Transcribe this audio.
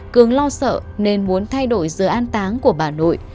cường lo sợ nên muốn thay đổi giờ an táng của bà nội